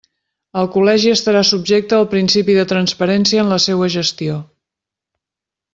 El col·legi estarà subjecte al principi de transparència en la seua gestió.